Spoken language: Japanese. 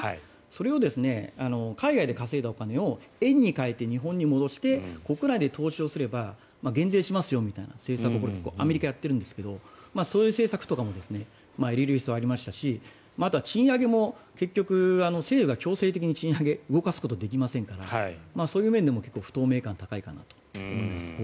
それを、海外で稼いだお金を円に替えて日本に戻して国内で投資をすれば減税しますよみたいな政策をアメリカはやっているんですがそういう政策とかもあとは賃上げも結局、政府が強制的に賃上げを動かすことできませんからそういう面でも効果の不透明感が高いかなと思います。